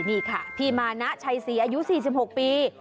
นี่ค่ะพี่มานะชัยศรีอายุ๔๖ปี